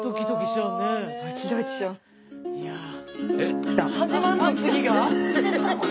始まんの次が？